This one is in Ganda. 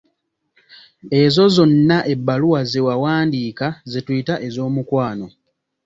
Ezo zonna ebbaluwa ze wawandiika ze tuyita ez'omukwano.